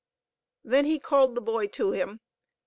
Then he called the boy to him.